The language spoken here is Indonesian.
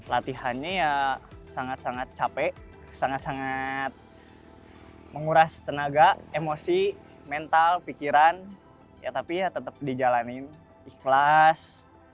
latihannya ya sangat sangat capek sangat sangat menguras tenaga emosi mental pikiran ya tapi ya tetap dijalanin ikhlas